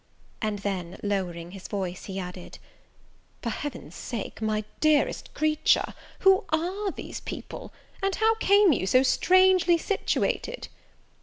And then, lowering his voice, he added, "For Heaven's sake, my dearest creature, who are these people? and how came you so strangely situated?"